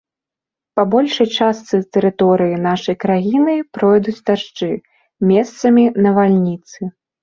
Па большай частцы тэрыторыі нашай краіны пройдуць дажджы, месцамі навальніцы.